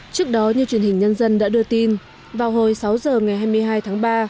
trước đó như truyền hình nhân dân đã đưa tin vào hồi sáu giờ ngày hai mươi hai tháng ba